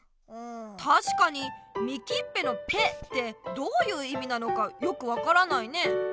たしかにみきっぺの「ぺ」ってどういういみなのかよく分からないね。